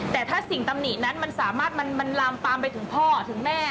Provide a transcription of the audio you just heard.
แต่ถ้าสิ่งตำหนินั้นมันสามารถมันลามปามไปถึงพ่อถึงแม่